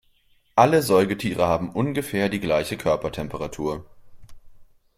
Alle Säugetiere haben ungefähr die gleiche Körpertemperatur.